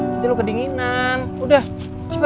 nanti lo kedinginan udah cepet